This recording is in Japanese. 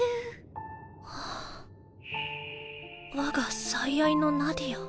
我が最愛のナディア